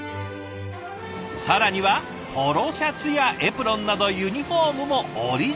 更にはポロシャツやエプロンなどユニフォームもオリジナルで。